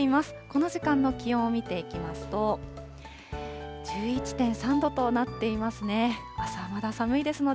この時間の気温を見ていきますと、１１．３度となっていますね。